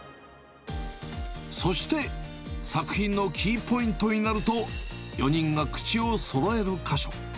そして作品のキーポイントになると、４人が口をそろえる箇所。